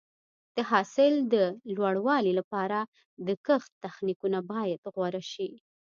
د حاصل د لوړوالي لپاره د کښت تخنیکونه باید غوره شي.